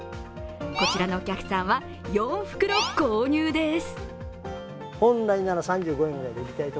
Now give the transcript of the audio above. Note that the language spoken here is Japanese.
こちらのお客さんは４袋購入です。